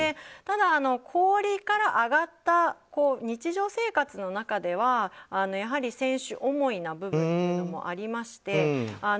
ただ、氷から上がった日常生活の中ではやはり選手思いな部分もありまして。